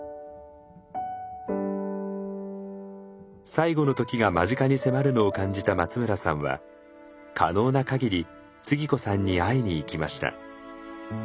最後の時が間近に迫るのを感じた松村さんは可能な限りつぎ子さんに会いに行きました。